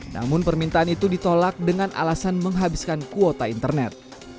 namun permintaan itu ditolak dengan alasan menghabiskan kuota internet